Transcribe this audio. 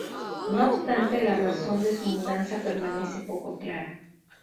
No obstante la razón de su mudanza permanece poco clara.